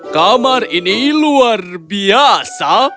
kamar ini luar biasa